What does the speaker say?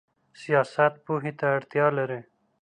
سیاست پوهې ته اړتیا لري